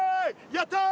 やったー！